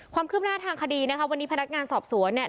ความคืบหน้าทางคดีนะคะวันนี้พนักงานสอบสวนเนี่ย